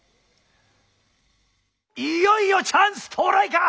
いよいよチャンス到来か？